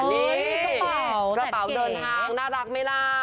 นี่กระเป๋าเดินทางน่ารักไหมล่ะ